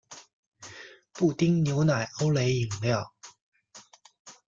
布丁牛奶欧蕾饮料